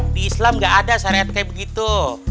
di islam gak ada syariat kayak begitu